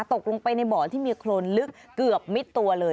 ตกลงไปในบ่อที่มีโครนลึกเกือบมิดตัวเลย